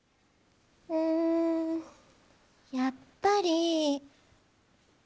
うーんやっぱり。